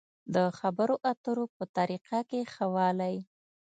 د خبرو اترو په طريقه کې ښه والی.